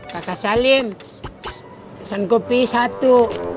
kakak salim pesen kopi satu